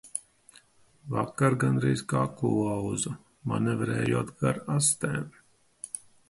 Vakar gandrīz kaklu lauzu, manevrējot gar astēm.